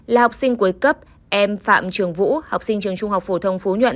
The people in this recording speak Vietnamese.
là học sinh cuối cấp em phạm trường vũ học sinh trường trung học phổ thông phú nhuận